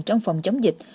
trong phòng chống dịch